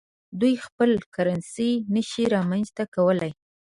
دوی خپل کرنسي نشي رامنځته کولای.